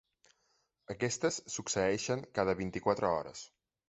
Aquestes succeeixen cada vint-i-quatre hores.